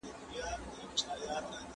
زه اوس کتابونه وړم!!